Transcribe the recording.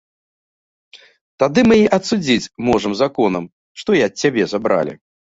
Тады мы і адсудзіць можам законам, што і ад цябе забралі.